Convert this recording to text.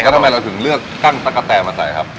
แล้วทำไมเราถึงเลือกตั้งตั๊กกะแตมาใส่ครับ